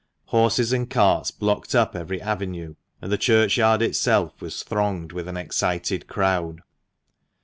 Horses and carts blocked up every avenue, and the churchyard itself was thronged with an excited crowd.